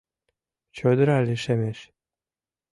Чодыра лишемеш...